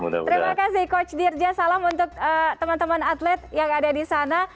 terima kasih coach dirja salam untuk teman teman atlet yang ada di sana